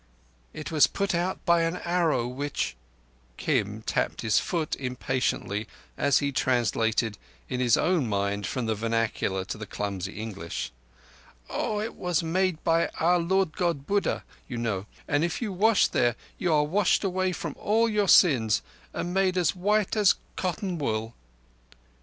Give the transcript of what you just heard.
It was put out by an Arrow which—" Kim tapped his foot impatiently as he translated in his own mind from the vernacular to his clumsy English. "Oah, it was made by our Lord God Buddha, you know, and if you wash there you are washed away from all your sins and made as white as cotton wool."